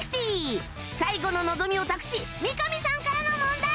最後の望みを託し三上さんからの問題！